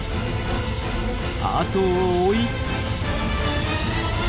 後を追い。